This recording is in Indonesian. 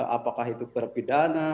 apakah itu berpidana